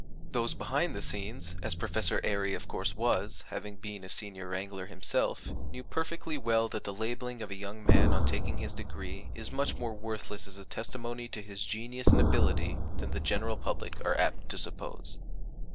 Those behind the scenes, as Professor Airy of course was, having been a Senior Wrangler himself, knew perfectly well that the labelling of a young man on taking his degree is much more worthless as a testimony to his genius and ability than the general public are apt to suppose.